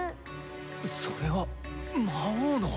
それは魔王の。